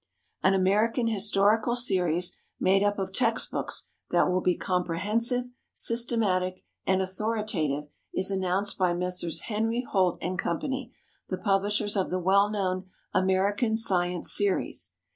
An "American Historical Series" made up of text books that will be comprehensive, systematic and authoritative, is announced by Messrs. Henry Holt & Co., the publishers of the well known "American Science Series."